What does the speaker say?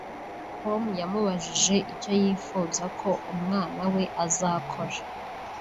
com yamubajije icyo yifuza ko umwana we azakora